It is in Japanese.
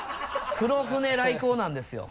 黒船来航なんですよ。